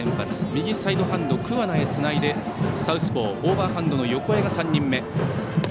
右サイドハンド、桑名へつないでサウスポー、オーバーハンドの横江が３人目。